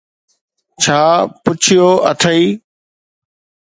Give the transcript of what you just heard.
ڇا پڇيو اٿئي؟